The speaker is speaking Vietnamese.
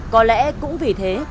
có lẽ cũng vì thế